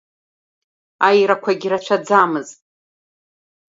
Аирақәагьы рацәаӡамызт.